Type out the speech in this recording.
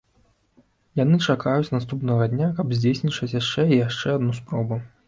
Яны чакаюць наступнага дня, каб здзейсніць яшчэ і яшчэ адну спробу.